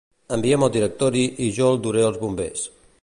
Envia'm el directori i jo el duré als bombers.